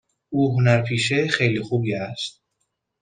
او هنرپیشه خیلی خوبی است.